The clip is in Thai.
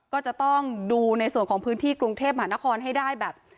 ก็จะต้องดูในส่วนของพื้นที่กรุงเทพมหานครให้ได้แบบ